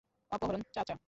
অপহরণ, চাচা।